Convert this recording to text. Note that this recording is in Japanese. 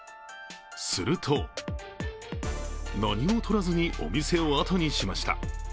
すると何もとらずにお店をあとにしました。